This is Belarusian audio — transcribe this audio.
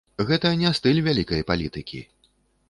Гэта не стыль вялікай палітыкі.